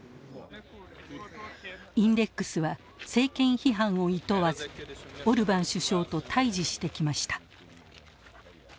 インデックスは政権批判をいとわずオルバン首相と対峙してきました。